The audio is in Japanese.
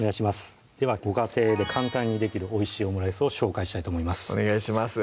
ではご家庭で簡単にできるおいしいオムライスを紹介したいと思いますお願いします